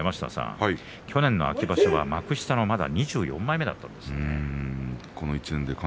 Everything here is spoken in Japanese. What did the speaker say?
去年の秋場所は幕下の２４枚目だったんですね。